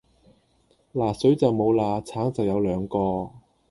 嗱水就無喇橙就有兩個